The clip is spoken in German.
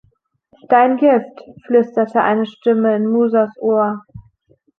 „Dein Gift!“, flüsterte eine Stimme in Musas Ohr.